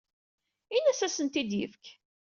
Ini-as ad asent-ten-id-yefk.